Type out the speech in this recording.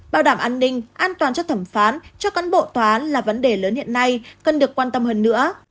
bảo đảm an ninh an toàn cho thẩm phán cho cán bộ tòa án là vấn đề lớn hiện nay cần được quan tâm hơn nữa